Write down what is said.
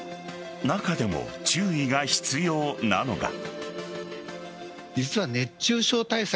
中でも注意が必要なのが。